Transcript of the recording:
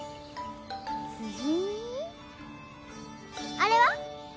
あれは？